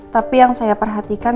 tapi yang saya perhatikan